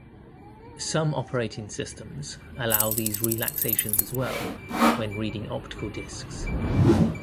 Some operating systems allow these relaxations as well when reading optical discs.